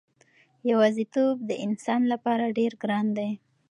یوازېتوب د انسان لپاره ډېر ګران دی.